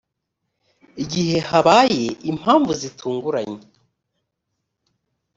igihe habaye impamvu zitunguranye